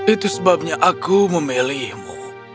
itu sebabnya aku memilihmu